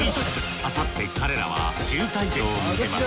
あさって彼らは集大成を迎えます